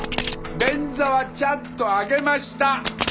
便座はちゃんと上げました！